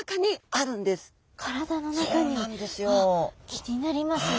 気になりますね。